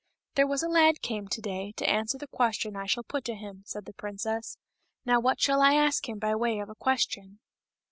"There was a lad came to day to answer the question I shall put to him," said the princess. " Now what shall I ask him by way of a question